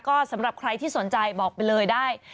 ก็สำหรับใครที่สนใจบอกไปเลยได้